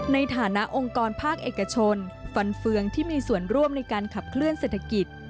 ในฐานะองค์กรภาคเอกชนฟันเฟืองที่มีส่วนร่วมในการขับเคลื่อนเศรษฐกิจ